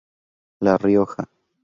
La Rioja.